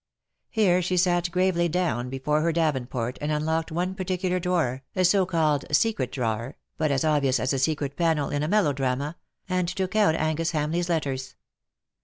Here she sat gravely down before her davenport and unlocked one par ticular drawer, a so called secret drawer, but as obvious as a secret panel in a melodrama — and took out Angus Hamleigh's letters.